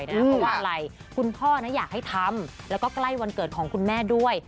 เพราะว่าอะไรคุณพ่ออยากให้ทำแล้วก็ใกล้วันเกิดของคุณแม่ด้วย